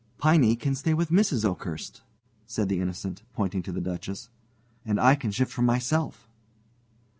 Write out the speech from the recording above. "Piney can stay with Mrs. Oakhurst," said the Innocent, pointing to the Duchess, "and I can shift for myself."